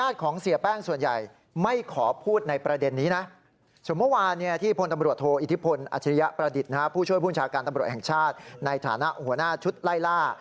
ด้วยภูมิชาการตำรวจแห่งชาติในฐานะหัวหน้าชุดไล่ล่า